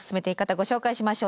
ご紹介しましょう。